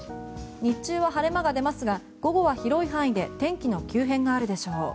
日中は晴れ間が出ますが午後は広い範囲で天気の急変があるでしょう。